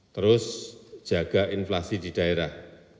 terus jaga inflasi di daerah